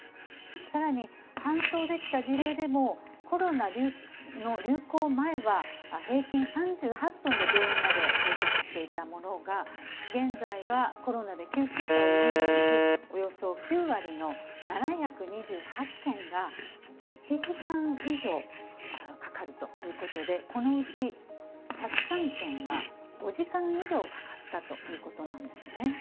さらに、搬送できた事例でも、コロナの流行前は、平均３８分で病院まで到着していたものが、現在はコロナで救急車を呼んだうち、およそ９割の７２８件が、１時間以上かかるということで、このうち１０３件は５時間以上かかったということなんですね。